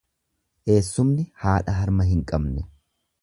Eessumni haadha harma hin qabne.